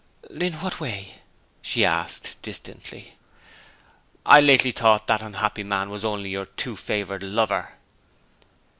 'In what way?' she asked distantly. 'I lately thought that unhappy young man was only your too favoured lover.'